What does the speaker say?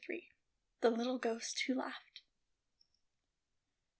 THE LITTLE GHOST WHO LAUGHED.